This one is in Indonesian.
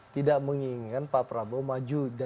tidak menginginkan pak prabowo maju